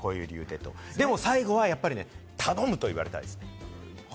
でも、最後はやっぱり「頼む」と言われたいです。